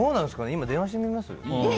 今、電話してみます？